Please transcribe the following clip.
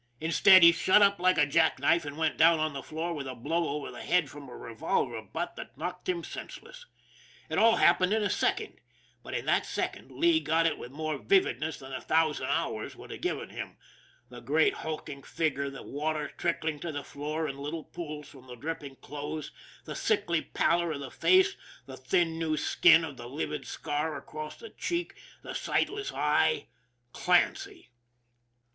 Instead, he shut up like a jack knife, and went down to the floor with a blow over the head from a revolver butt that knocked him sense less. It all happened in a second, but in that second Lee got it with more vividness than a thousand hours would have given him the great, hulking figure, the water trickling to the floor in little pools from the drip ping clothes, the sickly pallor of the face, the thin new skin of the livid scar across the cheek, the sightless eye Clancy.